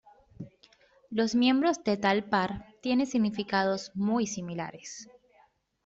Los miembros de tal par tienen significados muy similares.